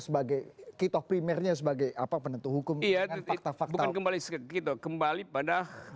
sebagai kita primernya sebagai apa penentu hukum ia tetap tak tahu kembali sekitar kembali pada